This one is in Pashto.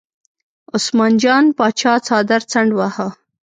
عثمان جان پاچا څادر څنډ واهه.